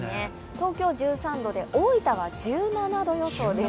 東京１３度で大分は１７度予想です。